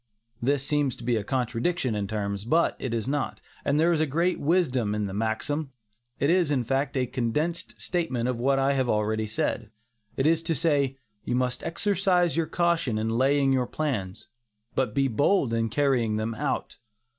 This seems to be a contradiction in terms, but it is not, and there is great wisdom in the maxim. It is, in fact, a condensed statement of what I have already said. It is to say, "you must exercise your caution in laying your plans, but be bold in carrying them out."